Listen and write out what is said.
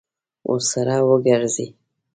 ورسره وګرځي.